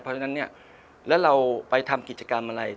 เพราะฉะนั้นเนี่ยแล้วเราไปทำกิจกรรมอะไร